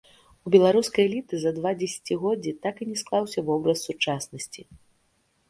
У беларускай эліты за два дзесяцігоддзі так і не склаўся вобраз сучаснасці.